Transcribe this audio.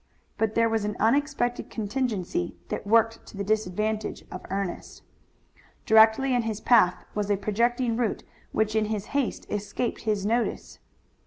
But there was an unexpected contingency that worked to the disadvantage of Ernest. Directly in his path was a projecting root which in his haste escaped his notice.